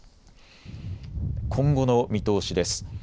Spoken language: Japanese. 今後の見通しです。